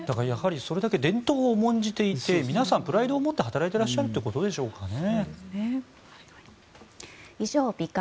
それだけ伝統を重んじていて皆さんプライドを持って働いていらっしゃるということですかね。